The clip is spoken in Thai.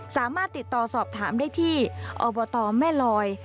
สามารถติดต่อสอบถามได้ที่อบตแม่ลอย